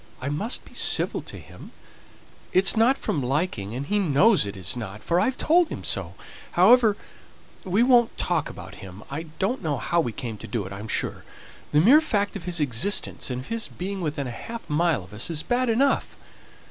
I must be civil to him; it's not from liking, and he knows it's not, for I've told him so. However, we won't talk about him. I don't know how we came to do it, I'm sure: the mere fact of his existence, and of his being within half a mile of us, is bad enough.